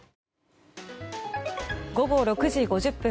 午後６時５０分。